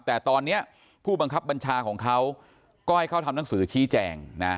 แต่ตอนนี้ผู้บังคับบัญชาของเขาก็ให้เขาทำหนังสือชี้แจงนะ